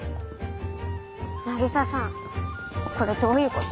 凪沙さんこれどういうこと？